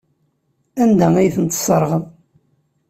Anda ay ten-tesseɣreḍ?